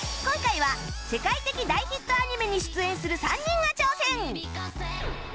今回は世界的大ヒットアニメに出演する３人が挑戦